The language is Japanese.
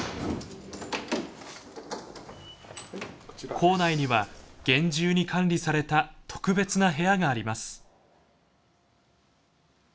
校内には厳重に管理された特別な部屋があります。